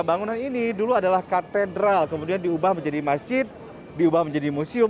bangunan ini dulu adalah katedral kemudian diubah menjadi masjid diubah menjadi museum